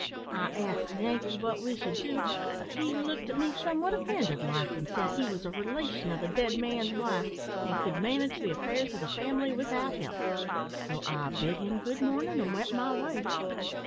I asked the Yankee what we should do, but he looked at me somewhat offended like, an' said he was a relation o' the dead man's wife, and could manage the affairs o' the family without help; so I bid him good mornin', and went my way.